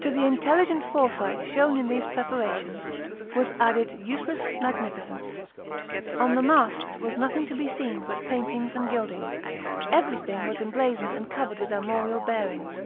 To the intelligent foresight shown in these preparations was added useless magnificence. "On the masts was nothing to be seen but paintings and gildings; everything was emblazoned and covered with armorial bearings.